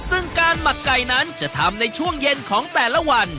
ซึ่งการหมักไก่นั้นจะทำในช่วงเย็นของแต่ละวัน